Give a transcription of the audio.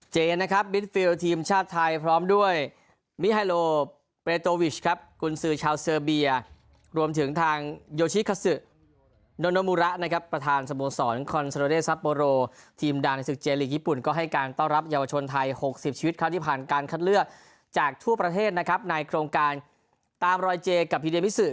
เจนะครับบิดฟิลทีมชาติไทยพร้อมด้วยมิไฮโลเปรโตวิชครับกุญสือชาวเซอร์เบียรวมถึงทางโยชิคซึโนมูระนะครับประธานสโมสรคอนโซเดซับโบโรทีมดังในศึกเจลีกญี่ปุ่นก็ให้การต้อนรับเยาวชนไทย๖๐ชีวิตครับที่ผ่านการคัดเลือกจากทั่วประเทศนะครับในโครงการตามรอยเจกับพีเดมิซึ